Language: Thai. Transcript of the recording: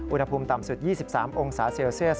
อุณหภูมิต่ำสุด๒๓องศาเซลเซียส